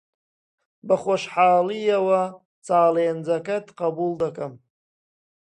بەخۆشحاڵییەوە چالێنجەکەت قبوڵ دەکەم.